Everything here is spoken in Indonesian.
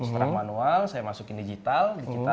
setelah manual saya masukin digital